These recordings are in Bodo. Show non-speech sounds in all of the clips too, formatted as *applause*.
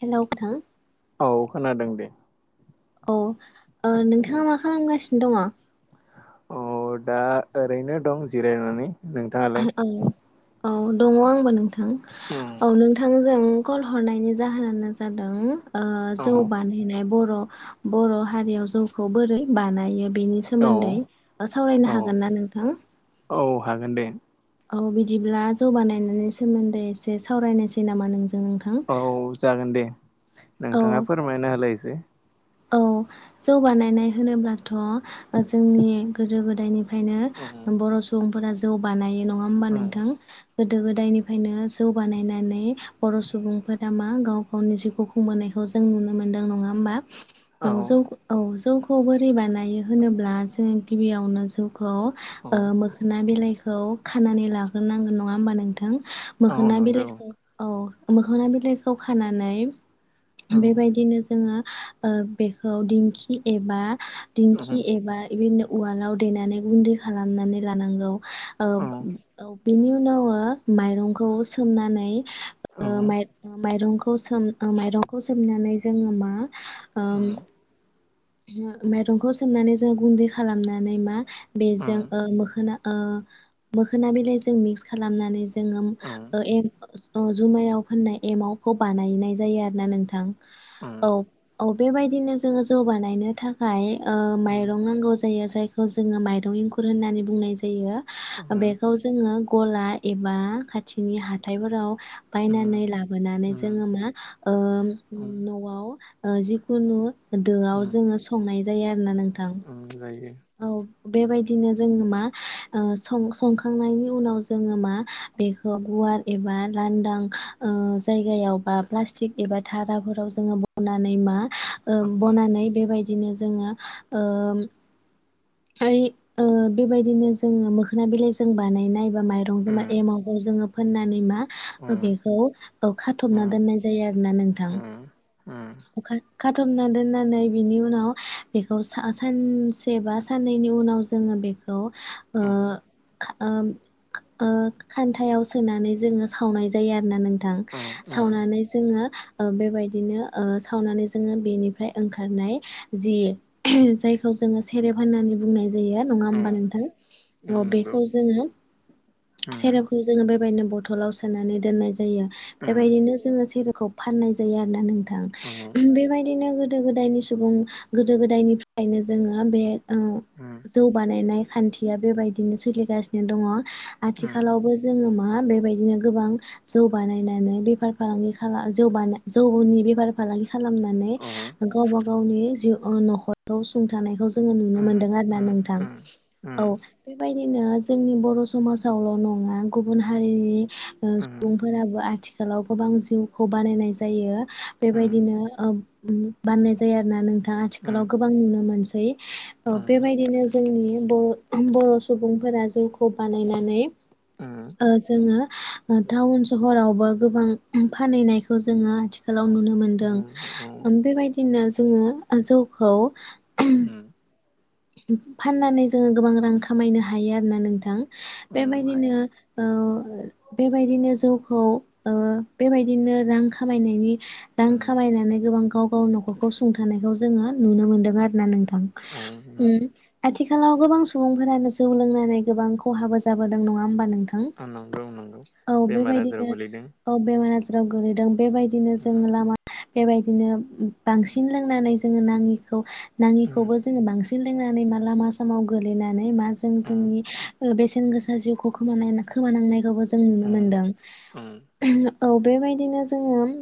हेलौ नोंथां। औ खोनादों दे। अ' ओ नोंथाङा मा खालामगासि? दङ'? अ दा ओरैनो दं जिरायनानै। नोंथाङालाय? औ औ दङ आंबो नोंथा। औ नोंथां। जों कल हरनायनि जाहोनानो जादों। ओ औ जौ बानायनाय बर' र' बर' हारियाव जौखौ बोरै बानायो? बिनि औ सोमोन्दै सावरायनो औ हागोन ना नोंथां? औ हागोन दे औ बिदिब्ला जौ बानायनायनि सोमोन्दै एसे सावरायनोसै नामा नोंज नोंथां। औ जागोन दे औ नोंथाङा फोरमायना होलाय एसे। औ जौ बानायनाय होनोब्लाथ' जोंनि गोदो गोदायनि फायनो बर' सुबुं फोरा जौ बानायो। नङा होमबा नोंथां? गोदो गोदायनिफ्रायनो जौ बानायनानै बर' सुबुंफोरा मा गाव गावनि जिउ खुंबोनायखौ जों नुनो मोन्दों नङा होमबा? औ जौ औ जौ खौ बोरै बानायो होनोब्ला जोंङो गिबियावनो जौ खौ ओ औ मोखोना बिलाइखौ खानानै लाग्रोनांगोन नङा होमबा नोंथां? औ मोखोना नंगौ बिलाइखौ औ। मोखांना बिलाइखौ खानानै औ बेबायदिनो जोङो ओ बे औ दिंखि एबा दिंखि एबा बिदिनो उवालाव देनानै गुन्दै खालामनानै लानांगौ औ बिनि उ *unintelligible* माइरंखौ सोमनानै औ माइरंखौ खौ सोम माइरंखौ सोमनानै जोंङो मा ओम माइरंखौ सोमनानै जों गुन्दै खालामनानै मा बेजों ओ मोखोना ओ मोखोना बिलाइजों मिक्स खालामनानै जो जों ए जुमायाव फोनाय एमावखौ बानायनाय जायो आरो ना नोंथां। औ औ बेबायदिनो जोंङो जौबानाय गायनो थाखाय ओ माइरं नांगौ जायो। जायखौ जोंङो माइरं एखुर होननानै बुंनाय जायो। बेयो बेखौ जोङो गला एबा खाथिनि हाथायफोराव बायनानै लाबोनानै जोंङो मा न'आव ओ जिखुनु दोआव संनाय जायो आरोना नों उम जायो। औ बेबायदिनो जोंङो मा सं संखांनायनि उनाव जोंङो मा बेखौ गुवार एबा लांदां जायगायाव बा प्लास्टिक एबा धाराफोराव जोंङो बनानै मा ओ बनानै बेबायदिनो जोंङो ओम आइ ओ बेबायदिनो जोंङो मोखोना बिलाइ जों बानायनाय। माइरं जोंबा एमावखौ जोंङो फोननानै मा बेखौ खाथबना दोननाय जायो आरोना नोंथां उम अखा खाथबना दोननानै बिनि उनाव बेखौ सानसे बा साननैनि उनाव जोङो बेखौ ओ ओं ओ खान्थायाव सोनानै जोङो सावनाय जायो आरोना नों सावनानै जोङो ओ बेबायदिनो ओ सावनानै जोङो बेनिफ्राय ओंखारनाय जि जायखौ जोङो सेरेब होननानै बुंनाय बेयो नङा औ होमबा उम नोंथां अ नंगौ बेखौ जोङो उम सेरेबखौ जोङो बेबायदिनो बथलाव सोनानै दोननाय जायो उम बेबायदिनो जोङो सेरब खौ फाननाय जायो आरोना नों ओं औ बेबायदि बिदिनो गोदो गोदायनि सुबुं गोदो गोदायनिफ्रायनो जोङो बे ओ उम जौ बानायनाय खान्थिया बेबायदिनो सोलिगासिनो दङ उम आथिखालावबो जोङो मा बेबायदिनो गोबां जौ बानायनानै बेफार फालांगि खाला जौबानाय जौ नि बेफ फार फालांगि खालामनानै औ गावबा गावनि जिउ ओ न'खराव सुंथानाय जोङो नुनो उम मोनदों आरोना उम नोंथां उम औ बेबायदि बिदिनो जोंनि बर' समाजावल' नङा गुबुन हारिनि ओ उम सुबुंफोराबो आथिखाल आथिखालाव गोबां जौखौ बानायनाय जायो बेबायदिनो ओ बाननाय जाया आरोना नोंथां दा उम उम आथिखालाव गोबां नुनो मोनसै थै अ औ बेबायदिनो जोंनि बर' बर' सुबुंफोरा जौखौ बानायनानै उम ओ जोङो टाउन सहरावबो गोबां फानहैनायखौ जोङो आथिखाल नुनो मोन्दों उम औ ओम बेबायदिनो जोङो जौखौ उम। फाननानै जोङो गोबां रां खामायनो हायो आरोना नोंथां। उम बेबायदिनो हायो ओ बेबायदिनो जौखौ ओ बेबायदिनो रां खामायनायनि रां उम खामायनानै गोबां गाव खौ नखरखौ सुंथानायखौ जोङो नुनो मोनदों आरोना नोंथां। उम आथि खालाव गोबां सुबुंफोरानो जौ लोंनानै गोबां खहाबो जाबोदों। नङा होमबा नों थां? आ नंगौ नंगौ औ बेमार आजाराव बेबायदिनो गोलैदों औ बेमार आ जाराव गोलैदों। बेबायदिनो जों उम लामा बेबायदिनो बांसिन लोंनानै जोङो नाङिखौ उम नाङिखौबो जोङो बांसिन *unintelligible* लोंनानै माला मा समाव गोलैनानै मा जों उम जोंनि ओ बेसेन गोसा जिउखौ खोमानायना खोमानांनायखौबो जों नुनो उम मोनदों। उम औ बेबायदिनो जोङो उम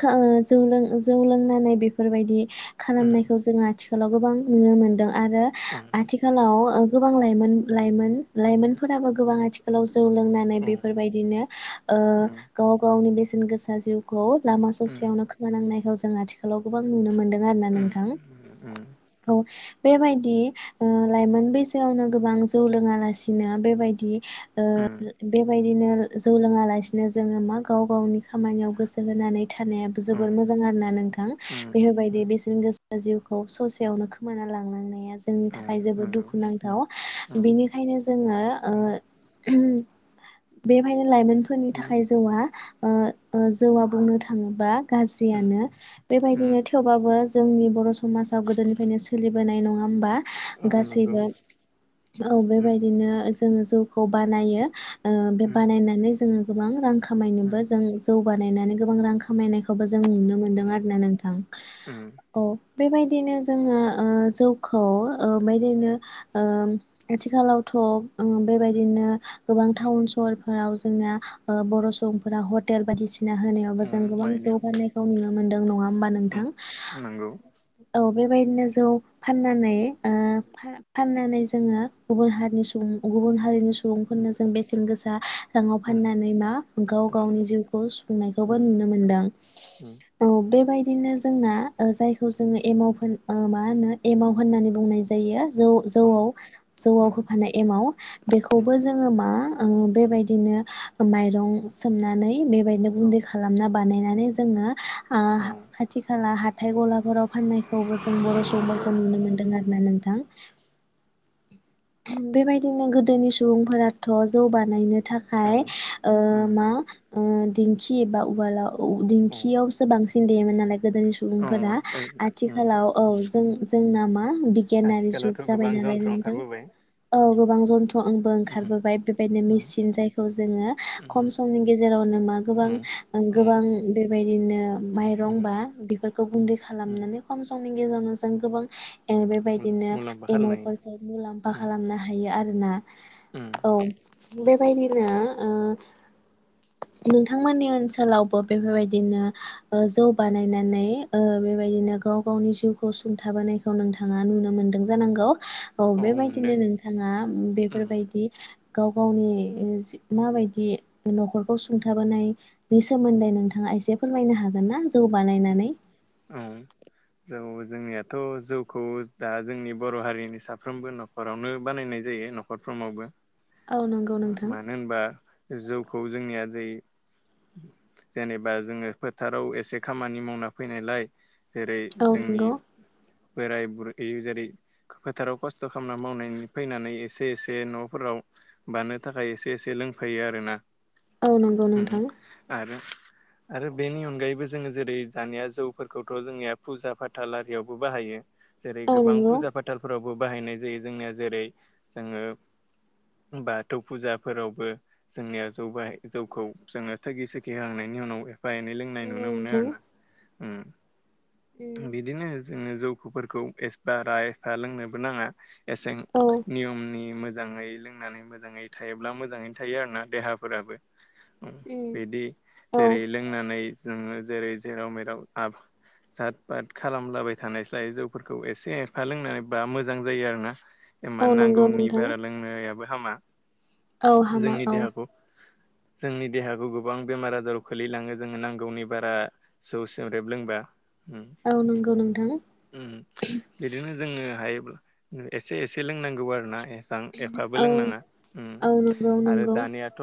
खा ओ जौ लों जौ लोंनानै बेफोरबायदि उम खालामनायखौ जों आथि खालाव गोबां नुनो मोनदों। आरो उम औ आथिखालाव ओ गोबां लाइमोन-लाइमोन-लाइमोनफोराबो गोबां आथिखालाव जौ लोंनानै उम बेफोरबायदिनो ओ गाव गावनि बेसे गोसा जिउखौ लामा उम ससेयावनो खोमानांनायखौ जों आथिखालाव गोबां नुनो मोनदों आरो ना उम नोंथां उम। औ बेबायदि ओ लाइमोन बैसोआवनो गोबां जौ लोङा लासिनो बेबायदि ओ बेबायदिनो जौ लोङा लासिनो जोङो मा गाव गावनि खामानियाव गोसो होनानै थानायाबो औ जोबोर मोजां आरोना नोंथां। उम बेफोरबायदि उम बेसेन गोसा जिउखौ ससेयावनो खो माना लांनांनाया जोंनि औ थाखाय जोबोद नंगौ उम दुखुनांथाव। उम बिनिखायनो जोङो ओ उम ओम बेवहायनो लाइमोनफोरनि उम थाखाय जौआ ओ ओ जौवा बुंनो थाङोबा उम गाज्रियानो उम बेबायदिनो थेवबाबो जोंनि बर' समाजाव गोदोनिफ्रायनो सोलिबोनाय नंङा होमबा औ नंगौ गासैबो औ उम बेबायदिनो जोंङो जौखौ बानायो ओ बे उम बानायनानै जोंङो गोबां रां उम खामायनोबो जों जौ बानायनानै गोबां रां खामायनायखौबो जों नुनो मोनदों उम आरोना नोंथां उम औ बेबायदिनो जोंङो ओ जौखौ ओ बेदिनो ओ आथिखालावथ' ओ बेबायदिनो गोबां टाउन सहरफोराव जोंना बर' सुबुंफोरा हटेल बायदिसिना सिना होनायावबो जों उम गोबां जौ बायनायाव फाननायखौ नुनो मोन्दों नंङा होमबा उम नोंथां नंगौ औ बेबायदिनो जौ फाननानै ओ फा फाननानै जोंङो गुबुन हारिनि सुबुं गुबुन हारिनि सु सुबुंफोरनो उम जों बेसेन गोसा *unintelligible* रांङाव उम फाननानै मा गाव उम गावनि जिउखौ सुफुंनायखौबो उम नुनो उम मोनदों उम औ बेबायदि बिदिनो जोंना ओ जायखौ जोंङो एमाव होन ओ मा होनो एमाव होननानै बुंनाय जायो जौ औ जौआव जौआव उम होफानाय एमाव बेखौबो उम जोंङो मा ओ बेबायदिनो माइरं सोमनानै बे बेबायदिनो औ गुन्दै खालामना बानायनानै जोंङो ओ औ खाथि खाला हाथाय गलाफोराव फाननायखौबो जों बर' सुबुं औ नुनो मोनदों आरोना नोंथां बेबायदिनो गोदोनि सुबुंफोराथ' जौ बानायनो थाखाय ओ उम मा ओ दिंखि एबा उवालाव औ औ दिंखियावसो बांसिन देयोमोन नालाय गोदोनि औ सुबुंफोरा उम आथिखालाव औ जोंना मा बिगियानारि जुग आथिखालावथ' जाबाय गोबां नालाय जन्थ्र नोंथां ओंखारबोबाय औ गोबां जन्थ्र'बो उम ओंखारबोबाय बेबायदिनो उम मेचिन जायखौ जोंङो उम खम समनि गेजेरावनो मा गोबां उम औ गोबां बेबाय दिनो। माइरं उम बा बेफोरखौ गुन्दै खालामनानै खम समनि *unintelligible* जों गोबां ओ उम बेबायदिनो मुलाम्फा खालामनाय एमावफोरखौ मुलाम्फा उम खालामनो हायो आरो। जोंना उम औ बेबायदिनो ओ नोंथांमोननि ओनसोलावबो बेफोरबायदिनो ओ जौ बानायनानै ओ बेबायदिनो ओ गाव गावनि जिउ खौ सुंथाबोनायखौ नोंथाङा नुनो मोन्दों जानांगौ। औ बेबायदिनो नोंथाङा उम बेफोरबायदि गाव गावनि ओ माबायदि न'खरखौ सुंथाबोनायनि सोमोन्दै नोंथाङा एसे फोरमायनो हागोन ना? जौ बानायनानै औ जौ जोंनियाथ' जौखौ दा जोंनि बर' हारिनि साफ्रोमबो न'खरावनो बानायनाय जायो न'खरफ्रोमावबो। औ नंगौ नोंथां मानो होनबा जौखौ जोंनिया जै जेनेबा जोङो फोथाराव एसे खामानि मावना फैनायलाय जेरै औ जोंनि नंगौ बोराय बुरै जेरै फोथाराव खस्थ' खालामना मावनानै फैनानै एसे एसे न'फोराव बानो थाखाय एसे एसे लोंफैयो आरो ना। औ नंगौ नोंथां। आरो बेनि अनगायैबो जोङो जेरै दानिया जौफोरखौथ' जोंनिया फुजा फाथाल आरियावबो बाहायो। जेरै औ गोबां नंगौ फुजा फाथालफोराव बो बाहायनाय जायो जोंना जेरै जोङो बाथौ फुजाफोरावबो जोंनिया जौ बाहायो जौखौ जोङो थोगि सोगि हांनायनि उनाव एफा एनै लोंनाय नंगौ नुनो मोनो नोंथां आरो उम ना। उम। थबिदिनो जोङो जौफोरखौ एसबारा एसफा लोंनोबो नाङा। एसें औ नियमनि मो मोजाङै लोंनानै मोजाङै थायोब्ला मोजाङैनो थायो आर ना देहाफोराबो। उम बिदि औ जेरै लोंनानै जोङो जेरै जेराव मेराव आब साब बाद खालामलाबाय थानाय जायो जौफोरखौ एसे एफा लोंनानै बा मोजां जायो आरो ना। औ मानो नंगौ नांगौनि नोंथां बारा लोंनायाबो हामा। औ हामा जोंनि औ। देहाखौ जोंनि देहाखौ गोबां बेमार आजाराव खोलैलाङो जोङो नांगौनि बारा जौ सेरेब लोंबा, उम औ नंगौ नोंथां उम बिदिनो जोङोहाय, एसे एसे लोंनांगौ आरो ना ए मोजां एफाबो औ लोंनाङा उम औ नंगौ आरो नंगौ दानियाथ'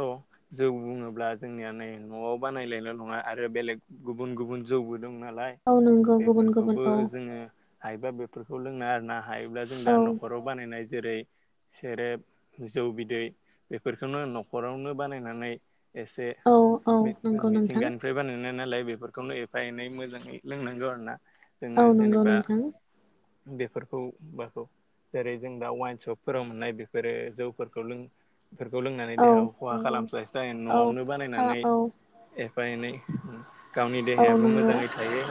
जौ बुङोब्ला जोंनिया नै न'आव बानायनायल नङा आरो बेलेग गुबुन गुबुन जौबो दङ नालाय नोंगौ गुबुन गुबुन बेफोरखौबो औ जोङो हायोबा बेफोरखौ लोंनाङा आरो ना, हायोब्ला जों दा औ न'खराव बानायनाय जेरै सेरेब जौ बिदै बेफोरखौनो न'खरावनो बानायनानै एसे औ औ नंगौ नोंथां मिथिंगानिफ्राय बानायनो नालाय बेफोरखौनो एफा एनै मोजाङै लोंनांगौ आरो ना? औ नंगौ नोंथां बेफोरखौ बा जेरै जों दा वाइन सपफोराव मोननाय बेफोरो जौफोरखौ लों, बेफोरखौ लोंनानै औ देहाखौ खहा नंगौ खालामस्लायस्लाय औ न'आवनो बानायनानै खालाम औ ए बायनाय गावनि औ देहायाबो नंगौ मोजाङै थायो,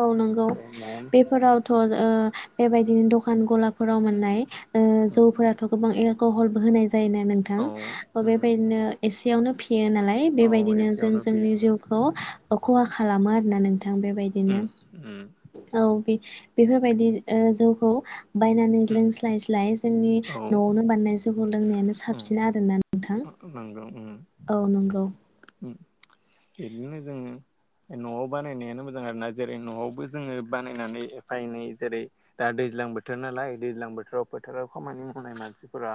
औ नंगौ न'आवनो बेफोरावथ' ओ ओ बेबायदिनो द' कान गलाफोराव मोननाय ओ जौफोराथ‌' गोबां एर कहलबो होनाय जायोना नोंथां औ बेबायदिनो एसे बेयावनो फि फेयो नालाय औ बेबायदिनो जों एसेयावनो जोंनि फैयो जिउखौ खालामो आरो ना नों थां बेबायदिनो औ बे बेफोरबायदि ओ जौखौ बायनानै लोंस्लाय स्लाय जोंनि औ न'आवनो बानायनाय जौखौ लोंनायानो साबसिन आरोना नोंथां औ औ नंगौ, उम बिदिनो जोङो न'आव बानायनायानो मोजां आरोना, जेरै न'आवबो जोङो बानायनानै एफा एनै जेरै दा दैज्लां बोथोर नालाय दैज्लां बोथोराव फोथाराव खामानि मावनाय मानसिफोरा,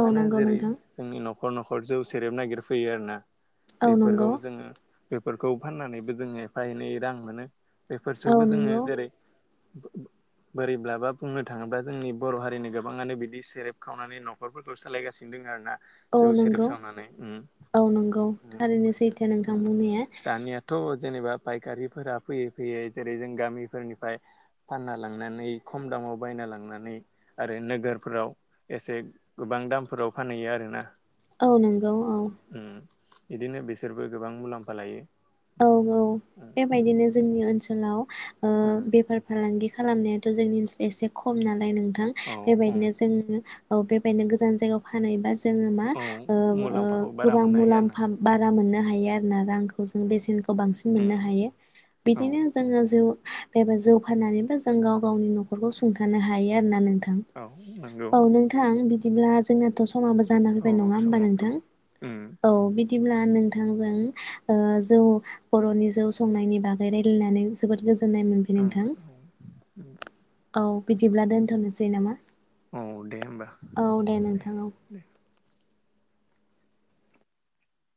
औ नंगौ जेरै नोंथां जोंनि न'खर न'ख हर जौ सेरेब नागिरफैयो आरो ना, औ बेफोरखौ नंगौ जोङो बेफोरखौ फाननानैबो जोङो एफा एनै रां मोनो। औ बेफोरजोंबो जोङो नंगौ जेरै बोरैब्लाबा बुंनो थाङोब्ला जोंनि बर' हारिनि गोबाङानो बिदि सेरेब खावनानै न'खरफोरखौ सोलायगासिनो दोङो आरो ना। औ नंगौ औ नंगौ उम थारैनो सैथो नोंथां उम बुंनाया। दानियाथ' जेनेबा फायखारिफोरा फैयै फैयै जेरै जों गामिफोरनिफ्राय फानना लांनानै खम दामाव बायना लांनानै आरो नोगोरफोराव एसे गोबां दामफोराव फानहैयो आरोना। औ नंगौ औ इदिनो बिसोरबो गोबां मुलाम्फा लायो। औ औ बेबायदिनो जोंनि ओनसो लाव ओ उम उम बेफार फालांगि खालामनायाथ' जोंनि ओनस एसे खम नालाय नों थां औ उम बेबायदिनो जोङो औ बेबायदिनो गोजान जायगायाव फानहैबा जोङो मा औ ओ ओ मुलाम्फाखौ बारा गोबां मोननो हायो आरोना मुलामफा बारा मोननो हायो आरोना रांखौ जों जों उम बेसेनखौ बांसिन मोननो उम हायो औ बिदिनो जोङो जिउ एबा जौ फाननानै बा जों गाव गावनि न'खरखौ सुंथानो हायो आरोना नों थां औ नंगौ औ नोंथां बिदि दिब्ला जोंनाथ' स माबो जाना औ फैबाय औ नङा होमबा समाव नोंथां थबाय उम औ बि दिब्ला नोंथांजों ओ जौ बर'नि जौ संनायनि बागै रायलायनानै जोबोद गोजो जोननाय मोनफाय उम नोंथां औ। बिदिब्ला दोनथ'नोसै नामा? औ दे होमबा औ दे नोंथां औ दे